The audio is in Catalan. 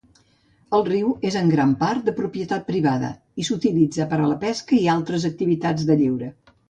El riu és en gran part de propietat privada, i s'utilitza per a la pesca i altres activitats de lleure.